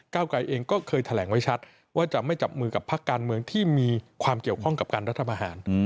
ไกรเองก็เคยแถลงไว้ชัดว่าจะไม่จับมือกับพักการเมืองที่มีความเกี่ยวข้องกับการรัฐประหาร